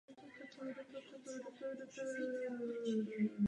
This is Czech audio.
Médii bývá označován jako asijský Gareth Bale.